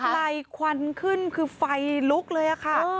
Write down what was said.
คือลากไฟไหลควันขึ้นคือไฟลุกเลยอ่ะค่ะ